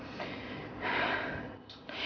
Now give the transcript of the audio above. ya tapi tetep aja papa